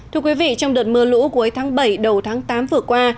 thưa quý vị trong đợt mưa lũ cuối tháng bảy đầu tháng tám vừa qua